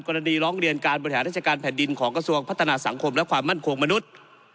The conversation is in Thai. ร้องเรียนการบริหารราชการแผ่นดินของกระทรวงพัฒนาสังคมและความมั่นคงมนุษย์